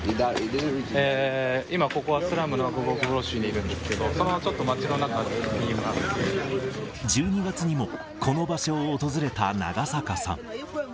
今、ここはスラムのアグボグブロシーにいるんですけれども、そのちょ１２月にもこの場所を訪れた長坂さん。